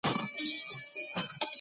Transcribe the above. تجربه په اسانۍ نه ترلاسه کیږي.